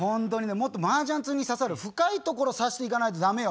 もっとマージャン通に刺さる深いところ刺していかないとダメよ。